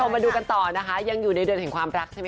มาดูกันต่อนะคะยังอยู่ในเดือนแห่งความรักใช่ไหม